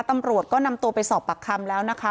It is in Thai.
ตำรวจก็นำตัวไปสอบปากคำแล้วนะคะ